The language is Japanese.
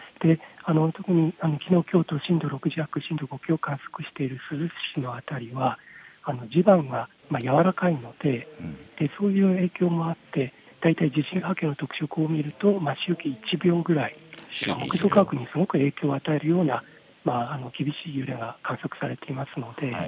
特にきのう、きょうと震度６弱、震度５強を観測している珠洲市の辺りは地盤が軟らかいのでそういう影響もあって大体地震波形の特色を見ると周期１秒ぐらい大きな影響を与えるような厳しい揺れが観測されています。